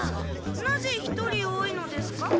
なぜ１人多いのですか？